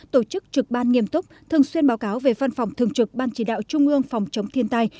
tổ chức trực ban nghiêm túc thường xuyên báo cáo về văn phòng thường trực ban chỉ đạo trung ương phòng chống thiên tai